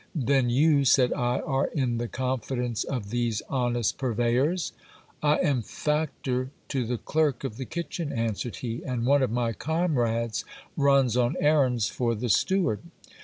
Then you, said I, are in the confidence of these honest purveyors? I am factor to the clerk of the kitchen, answered he; and one of my comrades runs on errands for the steward.